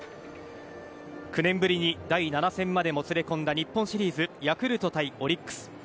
９年ぶりに第７戦までもつれ込んだ日本シリーズヤクルト対オリックス。